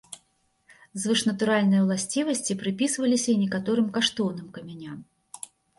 Звышнатуральныя ўласцівасці прыпісваліся і некаторым каштоўным камяням.